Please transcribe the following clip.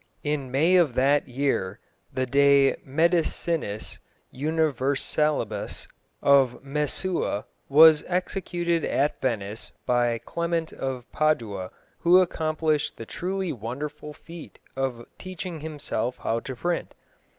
In May of that year the De Medicinis Universalibus of Mesua was executed at Venice by Clement of Padua, who accomplished the truly wonderful feat of teaching himself how to print.